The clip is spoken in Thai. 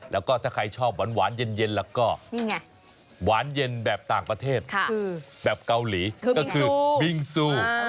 แล้วก็ถ้าใครชอบหวานเย็นแล้วก็หวานเย็นแบบต่างประเทศแบบเกาหลีก็คือบิงซู